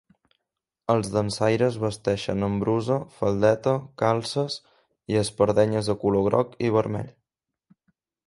Els dansaires vesteixen amb brusa, faldeta, calces i espardenyes de color groc i vermell.